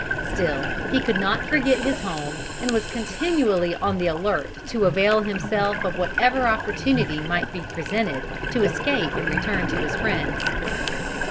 Still he could not forget his home, and was continually on the alert to avail himself of whatever opportunity might be presented to escape and return to his friends.